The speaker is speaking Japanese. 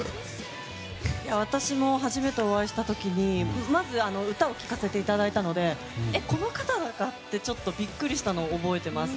私も初めてお会いした時にまず歌を聴かせていただいたのでこの方が？ってちょっとビックリしたのを覚えてます。